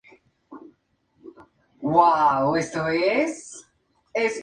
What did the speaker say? Instituciones como la tortura judicial desaparecen.